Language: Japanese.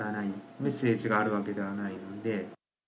メッセージがあるわけではないので。